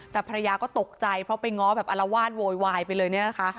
แต่ภรรยาก็ตกใจเพราะไปง้อแบบอลวาดโวยวายไปเลยเนี่ยนะคะ